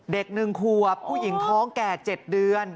เด็ก๑ขวบผู้หญิงท้องแก่๗เดือน